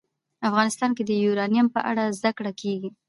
افغانستان کې د یورانیم په اړه زده کړه کېږي.